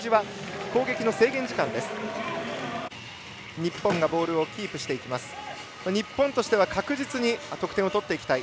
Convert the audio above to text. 日本としては確実に点を取っていきたい。